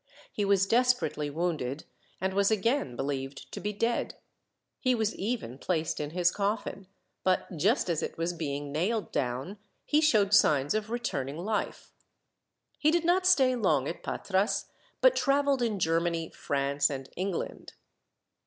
He was desperately wounded, and was again believed to be dead. He was even placed in his coffin; but just as it was being nailed down, he showed signs of returning life. He did not stay long at Patras, but travelled in Germany, France, and England.